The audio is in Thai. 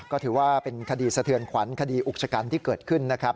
ก็ถือว่าเป็นคดีสะเทือนขวัญคดีอุกชกันที่เกิดขึ้นนะครับ